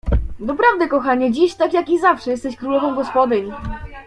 "Doprawdy kochanie, dziś tak jak i zawsze jesteś królową gospodyń!"